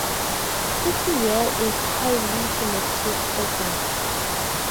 City Year is a highly selective program.